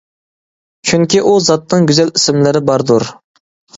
چۈنكى، ئۇ زاتنىڭ گۈزەل ئىسىملىرى باردۇر.